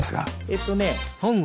えっとね。